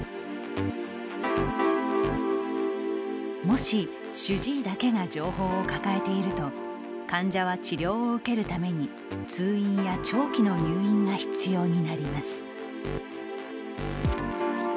もし、主治医だけが情報を抱えていると患者は治療を受けるために通院や長期の入院が必要になります。